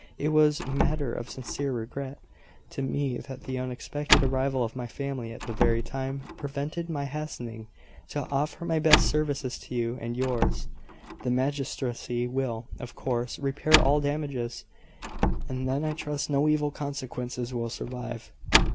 It was matter of sincere regret to me that the unexpected arrival of my family at the very time prevented my hastening to offer my best services to you and yours. The magistracy will, of course, repair all damages; and then I trust no evil consequences will survive.